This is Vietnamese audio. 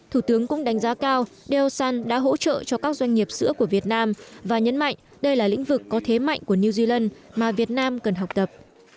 thủ tướng cũng đánh giá cao del đã hỗ trợ cho các doanh nghiệp sữa của việt nam và nhấn mạnh đây là lĩnh vực có thế mạnh của new zealand mà việt nam cần học tập